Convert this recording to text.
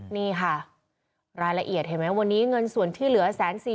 นี่ค่ะรายละเอียดเห็นไหมวันนี้เงินส่วนที่เหลือ๑๔๐๐